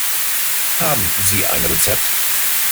Haben Sie ein Rezept?